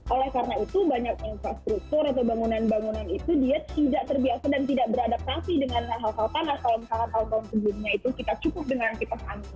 oleh karena itu banyak infrastruktur atau bangunan bangunan itu dia tidak terbiasa dan tidak beradaptasi dengan hal hal panas kalau misalkan tahun tahun sebelumnya itu kita cukup dengan kita santun